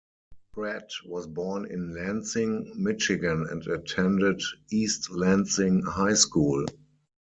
Pratt was born in Lansing, Michigan and attended East Lansing High School.